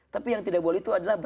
tapi yang tidak boleh itu adalah